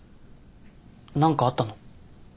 何かあったの？